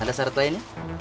ada syarat lainnya